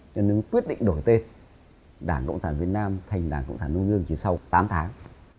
nên quyết định đổi tên đảng cộng sản việt nam thành đảng cộng sản đông dương chỉ sau tám tháng